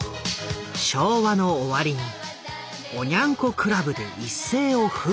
昭和の終わりにおニャン子クラブで一世を風靡。